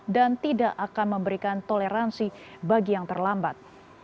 dan tidak akan memberikan toleransi bagi yang terlambat